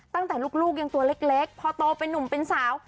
ตั้งแต่ลูกยังตัวเล็กพอโตเป็นนุ่มเป็นสาว